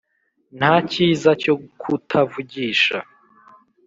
Nta kiza cyo kuta vugisha